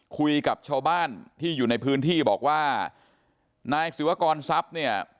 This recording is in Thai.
คุยกับชาวบ้านที่อยู่ในพื้นที่บอกว่านายศิวากรทรัพย์เนี่ย